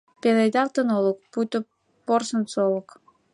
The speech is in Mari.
Пеледалтын олык, пуйто порсын солык.